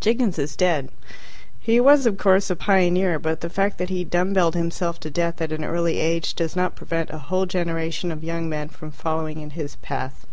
Jiggins is dead. He was, of course, a pioneer, but the fact that he dumb belled himself to death at an early age does not prevent a whole generation of young men from following in his path.